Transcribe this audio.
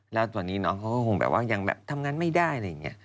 แล้วตอนนี้น้องเขาก็คงแบบว่ายังแบบทำงานไม่ได้อะไรอย่างนี้